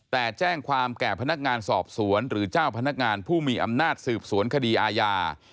แต่แจ้งความแก่พนักงานสอบสวนหรือเจ้าพนักงานผู้มีอำนาจสืบสวนคดีอาญา